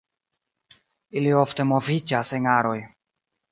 Ili ofte moviĝas en aroj.